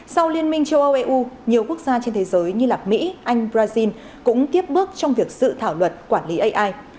sau liên minh châu âu eu nhiều quốc gia trên thế giới như mỹ anh brazil cũng tiếp bước trong việc dự thảo luật quản lý ai